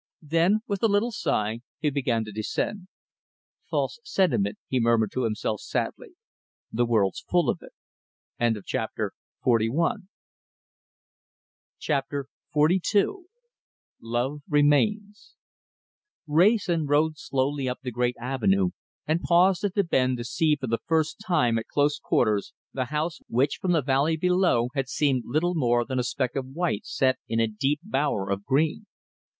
Then, with a little sigh, he began to descend. "False sentiment," he murmured to himself sadly. "The world's full of it." CHAPTER XLII LOVE REMAINS Wrayson rode slowly up the great avenue, and paused at the bend to see for the first time at close quarters the house, which from the valley below had seemed little more than a speck of white set in a deep bower of green.